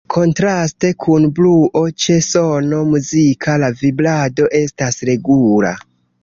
Kontraste kun bruo, ĉe sono muzika la vibrado estas regula.